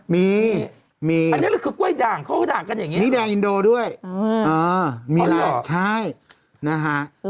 มีแดงอินโดด้วยมีอะไรใช่นะฮะ